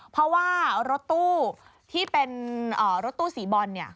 เพราะว่ารถตู้ที่เป็นรถตู้สีบอลเนี่ย